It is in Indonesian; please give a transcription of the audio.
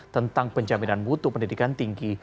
tentang penjaminan mutu pendidikan tinggi